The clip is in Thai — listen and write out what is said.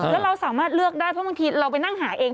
แล้วเราสามารถเลือกได้เพราะบางทีเราไปนั่งหาเอง